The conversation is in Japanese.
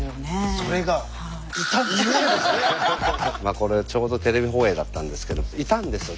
これちょうどテレビ放映だったんですけどいたんですよ